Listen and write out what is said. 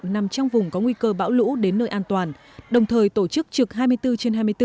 nằm trong vùng có nguy cơ bão lũ đến nơi an toàn đồng thời tổ chức trực hai mươi bốn trên hai mươi bốn